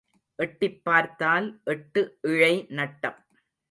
எட்டிப் பார்த்தால் எட்டு இழை நட்டம்.